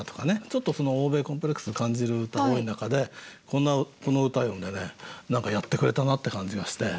ちょっと欧米コンプレックス感じる歌が多い中でこの歌読んでね何かやってくれたなって感じがして。